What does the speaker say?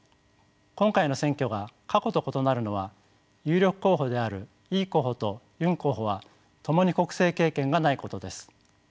今回の選挙が過去と異なるのは有力候補であるイ候補とユン候補はともに国政経験がないことです。